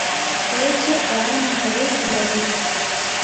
பேச்சு காரமாகவே இருந்தது.